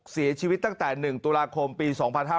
เสียชีวิตตั้งแต่๑ตุลาคมปี๒๕๕๙